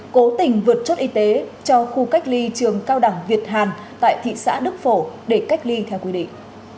cố tình vượt chốt y tế cho khu cách ly trường cao đẳng việt hàn tại thị xã đức phổ để cách ly theo quy định